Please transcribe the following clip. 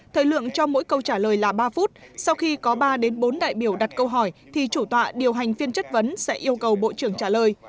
thời lượng cho mỗi câu trả lời là ba phút sau khi có ba bốn đại biểu đặt câu hỏi thì chủ tọa điều hành phiên chất vấn sẽ yêu cầu bộ trưởng trả lời